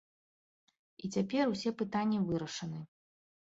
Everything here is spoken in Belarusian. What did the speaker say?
І цяпер усе пытанні вырашаны.